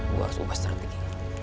gue harus ubah strategi